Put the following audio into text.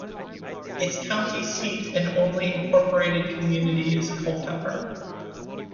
Its county seat and only incorporated community is Culpeper.